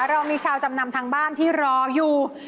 เรามีชาวจำนำทางบ้านที่รออยู่